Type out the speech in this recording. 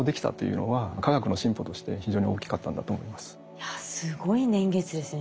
いやすごい年月ですね